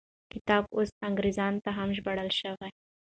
کتاب اوس انګریزي ته هم ژباړل شوی.